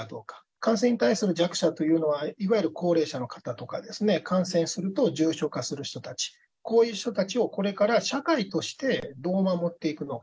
感染に対する弱者というのは、いわゆる高齢者の方とか、感染すると重症化する人たち、こういう人たちをこれから社会としてどう守っていくのか。